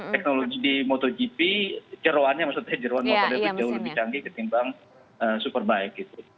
teknologi di motogp jeroannya maksudnya jeroan motornya itu jauh lebih canggih ketimbang superbaik